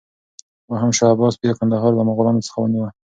دوهم شاه عباس بیا کندهار له مغلانو څخه ونیوه.